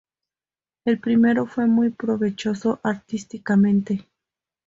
El primero fue muy provechoso artísticamente.